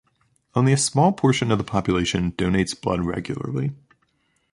Only a small part of the population donates blood regularly.